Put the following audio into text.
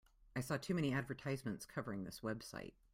I saw too many advertisements covering this website.